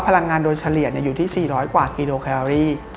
พลังงานโดยเฉลี่ยอยู่ที่๔๐๐กว่ากิโลแคลอรี่